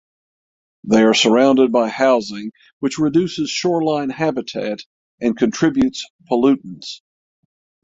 They are surrounded by housing which reduces shoreline habitat and contributes pollutants.